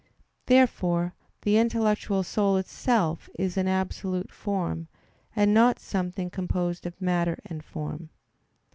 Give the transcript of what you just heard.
Therefore the intellectual soul itself is an absolute form, and not something composed of matter and form.